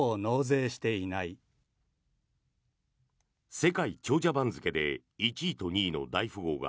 世界長者番付で１位と２位の大富豪が